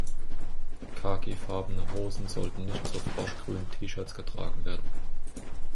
Khaki-farbene Hosen sollten nicht zu frosch-grünen T-Shirts getragen werden.